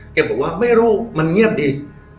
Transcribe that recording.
บอกว่าไม่รู้มันเงียบดี